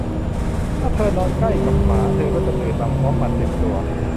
ถ้าเธอนอนใกล้กับหมา เธอก็จะตื่นมาพร้อมหมัดเต็มตัว